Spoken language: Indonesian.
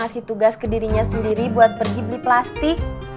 ngasih tugas ke dirinya sendiri buat pergi beli plastik